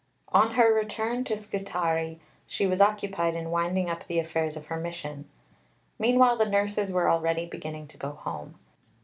On her return to Scutari she was occupied in winding up the affairs of her mission. Meanwhile the nurses were already beginning to go home.